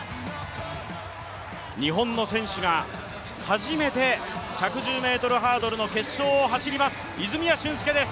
日本の選手が初めて１１０ｍハードルの決勝を走ります、泉谷駿介です。